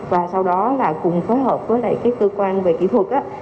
và sau đó cùng phối hợp với cơ quan về kỹ thuật